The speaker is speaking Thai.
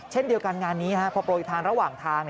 เช่นเดียวกันงานนี้พอโปรยทานระหว่างทาง